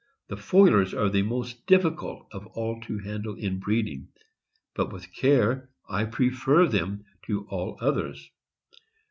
The Foilers are the 'most difficult of all to handle in breeding, but with care I prefer them to all others.